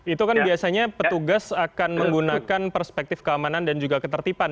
itu kan biasanya petugas akan menggunakan perspektif keamanan dan juga ketertiban